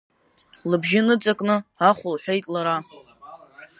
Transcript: Лыбжьы ныҵакны ахә лҳәеит лара.